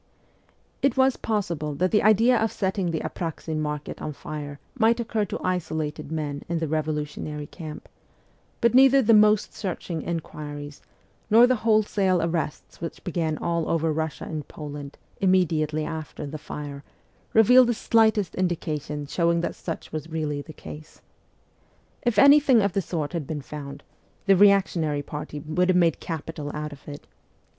It was possible that the idea of setting the Apraxin market on fire might occur to isolated men in the revolutionary camp, but neither the most searching inquiries nor the wholesale arrests which began all over Russia and Poland immediately after the fire revealed the slightest indication showing that such was really the case. If anything of the sort had been found, the reactionary party would have made capital out of it.